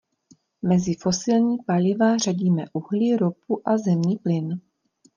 Mezi fosilní paliva řadíme uhlí, ropu a zemní plyn.